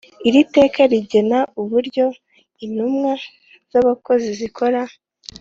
Iri teka rigena uburyo intumwa z abakozi zikora